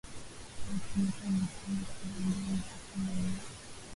aah kuweka mipaka ambayo itakuwa ina